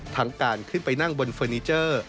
ทั้งการขึ้นไปนั่งบนเฟอร์นิเจอร์